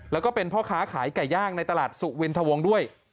แล้วก็เป็นพ่อค้าขายไก่ย่างในตลาดสุวินทวงด้วย